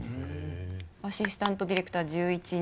アシスタントディレクター１１人。